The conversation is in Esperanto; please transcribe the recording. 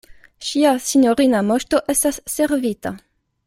Ŝia sinjorina Moŝto estas servita!